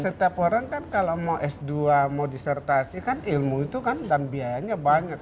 setiap orang kan kalau mau s dua mau disertasi kan ilmu itu kan dan biayanya banyak